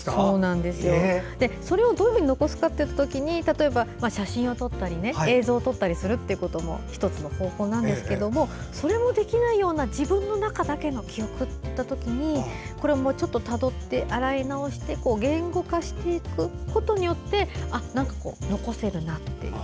それをどういうふうに残すかという時に写真を撮ったり映像を撮ったりすることも１つの方法ですがそれもできないような自分の中の記憶という時にこれをたどって洗い直して言語化していくことによって残せるなっていう。